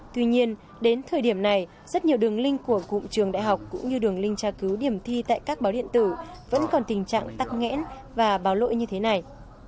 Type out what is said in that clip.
tuy nhiên đến thời điểm này rất nhiều đường link của cụm trường đại học cũng như đường link tra cứu điểm thi tại các báo điện tử vẫn còn tình trạng tắc nghẽn và báo lỗi như thế này